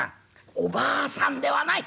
「あばあさんではない！